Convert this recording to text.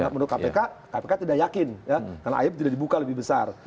menurut kpk kpk tidak yakin karena ayib tidak dibuka lebih besar